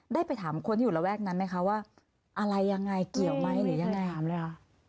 ได้ไปถามคนที่อยู่ระแวกนั้นไหมคะว่าอะไรยังไงเกี่ยวไหมหรือยังไงถามเลยค่ะ